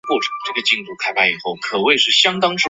量子芝诺效应的名字起源于经典的芝诺悖论。